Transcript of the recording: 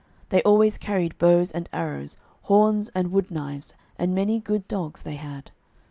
They always carried bows and arrows, horns and wood knives, and many good dogs they had.